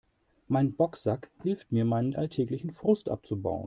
Mein Boxsack hilft mir, meinen alltäglichen Frust abzubauen.